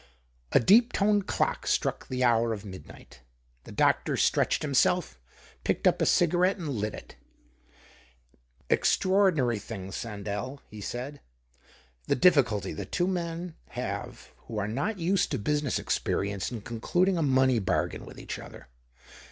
A deep toned clock struck the hour of midnight. The doctor stretched himself, picked up a cigarette, and lit it. " Extra ordinary thing, Sandell," he said, " the difti culty that two men have who are not used to l)usiness experience in concluding a money bargain with each other.